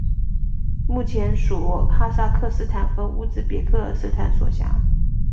目前属哈萨克斯坦和乌兹别克斯坦所辖。